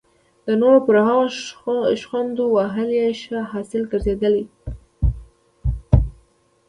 د نورو پر هغو شخوند وهل یې ښه خاصه ګرځېدلې.